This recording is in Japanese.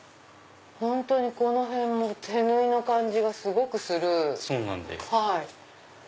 本当にこの辺も手縫いの感じがすごくする。